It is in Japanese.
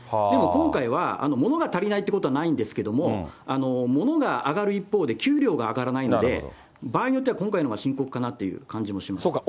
でも今回は、物が足りないということはないんですけど、物が上がる一方で給料が上がらないので、場合によっては今回のほうが深刻かなっていう感じもします。